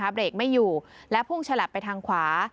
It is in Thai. เบรกไม่อยู่และพุ่งฉลับไปทางขวา